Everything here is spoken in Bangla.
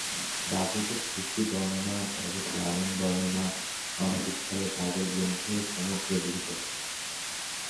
বাবিলদের সৃষ্টিবর্ণনা, জলপ্লাবনবর্ণনা অনেক স্থলে বাইবেল গ্রন্থে সমগ্র গৃহীত।